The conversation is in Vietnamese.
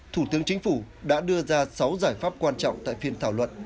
thủ tướng chính phủ đã đưa ra sáu giải pháp quan trọng tại phiên thảo luận